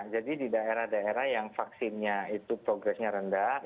jadi di daerah daerah yang vaksinnya itu progresnya rendah